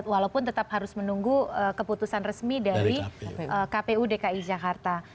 walaupun tetap harus menunggu keputusan resmi dari kpu dki jakarta